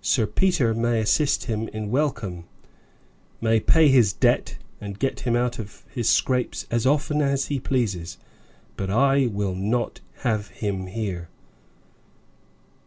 Sir Peter may assist him in welcome may pay his debt, and get him out of his scrapes as often as he pleases, but I will not have him here."